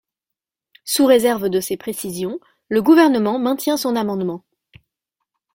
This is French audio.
Sous réserve de ces précisions, le Gouvernement maintient son amendement.